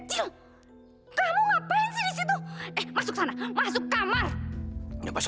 eh anak kecil